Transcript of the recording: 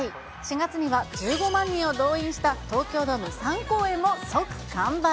４月には１５万人を動員した東京ドーム３公演も即完売。